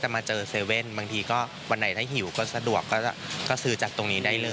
บางทีก็วันไหนถ้าหิวก็สะดวกก็ซื้อจากตรงนี้ได้เลย